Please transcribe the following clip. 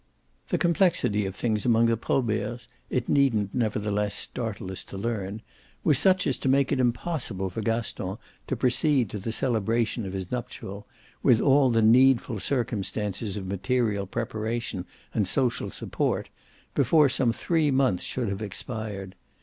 The complexity of things among the Proberts, it needn't nevertheless startle us to learn, was such as to make it impossible for Gaston to proceed to the celebration of his nuptial, with all the needful circumstances of material preparation and social support, before some three months should have expired.